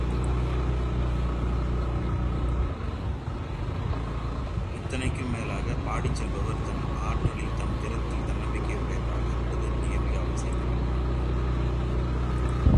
இத்தனைக்கும் மேலாக, பாடிச் செல்பவர் தன் ஆற்றலில், தன் திறத்தில் தன்னம்பிக்கை உடையவராக இருப்பதுமிகமிக அவசியமாகும்.